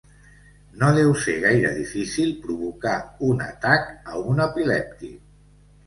No deu de ser gaire difícil provocar un atac a un epilèptic.